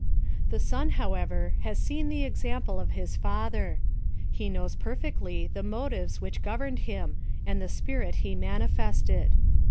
The son, however, has seen the example of his father; he knows perfectly the motives which governed him, and the spirit he manifested.